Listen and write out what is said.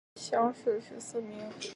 乡试十四名。